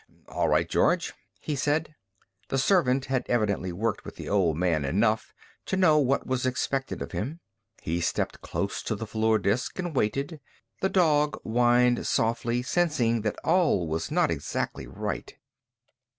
"All right, George," he said. The servant had evidently worked with the old man enough to know what was expected of him. He stepped close to the floor disk and waited. The dog whined softly, sensing that all was not exactly right.